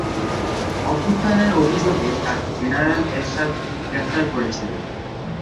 অভ্যুত্থানের অভিযোগে তাকে জেনারেল এরশাদ গ্রেপ্তার করেছিলেন।